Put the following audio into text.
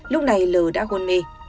lúc này l đã hôn mê